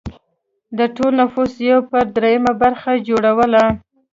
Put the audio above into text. د ټول نفوس یو پر درېیمه برخه یې جوړوله